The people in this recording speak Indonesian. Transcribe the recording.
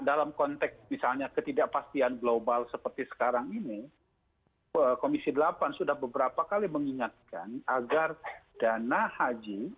dalam konteks misalnya ketidakpastian global seperti sekarang ini komisi delapan sudah beberapa kali mengingatkan agar dana haji